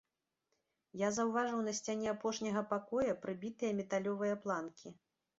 Я заўважыў на сцяне апошняга пакоя прыбітыя металёвыя планкі.